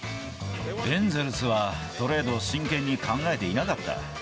エンゼルスはトレードを真剣に考えていなかった。